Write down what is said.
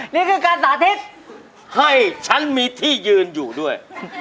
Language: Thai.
นี่คือการสาธิตให้ฉันมีที่ยืนอยู่ด้วย